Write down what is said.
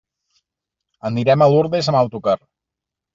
Anirem a Lurdes amb autocar.